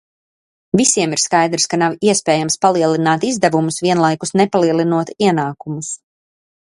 Visiem ir skaidrs, ka nav iespējams palielināt izdevumus, vienlaikus nepalielinot ienākumus.